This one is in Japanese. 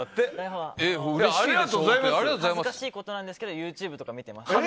恥ずかしいことなんですけどＹｏｕＴｕｂｅとか見てます。